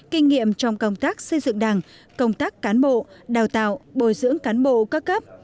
kinh nghiệm trong công tác xây dựng đảng công tác cán bộ đào tạo bồi dưỡng cán bộ các cấp